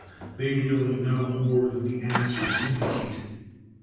They really know more than their answers indicate.